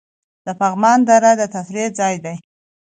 د پغمان دره د تفریح ځای دی